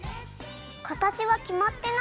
かたちはきまってないの？